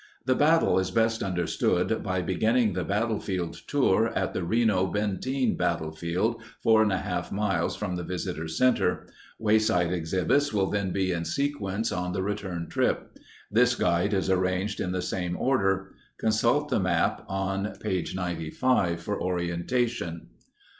The battle is best under stood by beginning the battlefield tour at the Reno Benteen Battlefield 4.5 miles from the visitor center. Wayside exhibits will then be in sequence on the return trip. This guide is arranged in the same order. Consult the map on page 95 for orientation.